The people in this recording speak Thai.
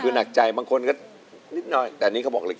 คือหนักใจบางคนก็นิดหน่อยแต่อันนี้เขาบอกเล็ก